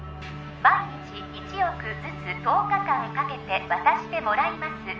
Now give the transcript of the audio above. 毎日１億ずつ１０日間かけて渡してもらいます